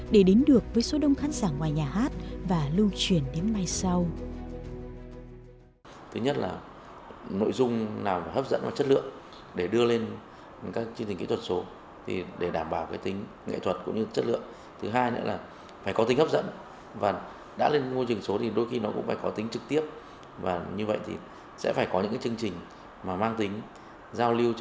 để đến được với số đông khán giả ngoài nhà hát và lưu truyền đến mai sau